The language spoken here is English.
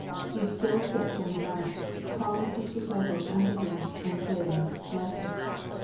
He still sits on the Mount, calling his disciples .unto Him, and saying "Blessed."